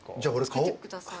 着けてください。